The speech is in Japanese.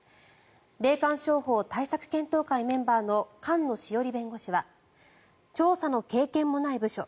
霊感商法対策検討会メンバーの菅野志桜里弁護士は調査の経験もない部署